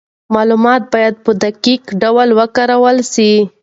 معلومات باید په دقیق ډول وکارول سي.